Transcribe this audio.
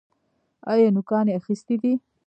ایا نوکان یې اخیستي دي؟